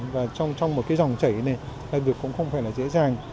và trong một cái dòng chảy này là việc cũng không phải là dễ dàng